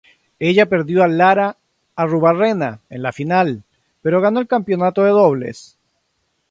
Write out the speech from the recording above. Ella perdió a Lara Arruabarrena en la final, pero ganó el campeonato de dobles.